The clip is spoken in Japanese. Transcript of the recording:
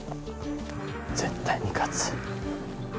絶対に勝つ。